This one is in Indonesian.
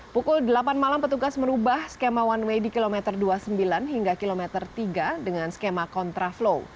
pukul delapan malam petugas merubah skema one way di kilometer dua puluh sembilan hingga kilometer tiga dengan skema kontraflow